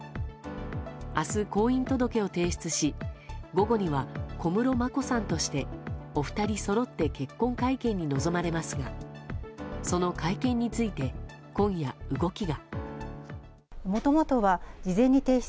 明日、婚姻届を提出し午後には、小室まこさんとしてお二人そろって結婚会見に臨まれますがその会見について今夜、動きが。